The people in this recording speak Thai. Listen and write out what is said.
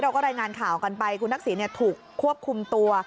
รายงานข่าวกันไปคุณทักษิณถูกควบคุมตัว